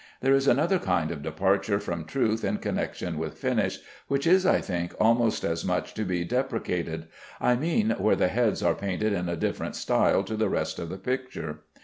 There is another kind of departure from truth in connection with finish, which is, I think, almost as much to be deprecated. I mean where the heads are painted in a different style to the rest of the picture.